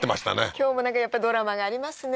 今日もなんかやっぱドラマがありますね